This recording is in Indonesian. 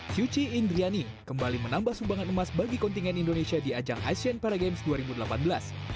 syuci indriani kembali menambah sumbangan emas bagi kontingen indonesia di ajang asian paragames dua ribu delapan belas